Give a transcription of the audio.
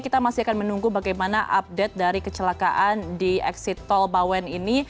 kita masih akan menunggu bagaimana update dari kecelakaan di exit tol bawen ini